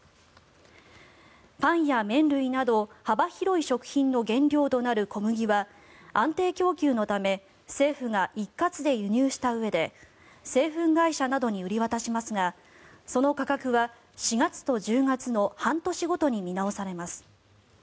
パンや麺類など幅広い食品の原料となる小麦は安定供給のため政府が一括で輸入したうえで製粉会社などに売り渡しますがその価格は４月と１０月の半年ごとに見直されます。